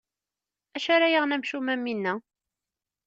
Acu ara yaɣen amcum am winna.